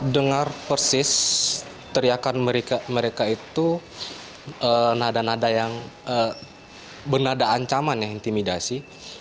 dengar persis teriakan mereka itu benada ancaman yang intimidasi